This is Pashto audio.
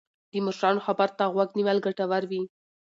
د مشرانو خبرو ته غوږ نیول ګټور وي.